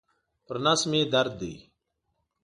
پر نس مي درد دی.